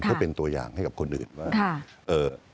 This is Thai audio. เพื่อเป็นตัวอย่างให้กับคนอื่นว่าเอ่อ